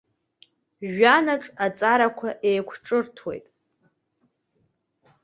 Жәҩанаҿ аҵарақәа еиқәҿырҭуеит.